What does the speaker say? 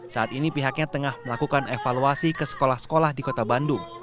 saat ini pihaknya tengah melakukan evaluasi ke sekolah sekolah di kota bandung